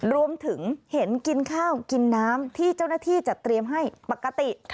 รวมถึงเห็นกินข้าวกินน้ำที่เจ้าหน้าที่จะเตรียมให้ปกติ